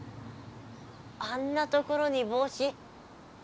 あんなところにぼうし。